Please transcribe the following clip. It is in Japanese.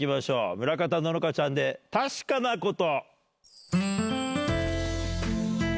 村方乃々佳ちゃんで『たしかなこと』。